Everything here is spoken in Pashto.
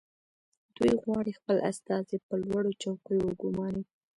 دوی غواړي خپل استازي په لوړو چوکیو وګماري